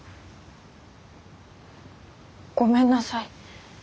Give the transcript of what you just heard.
ごめんなさい。